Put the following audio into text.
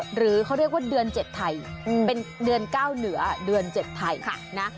หรือเขาเรียกว่าเดือนเจ็ดไทยเป็นเดือนเก้าเหนือเดือนเจ็ดไทยค่ะนะ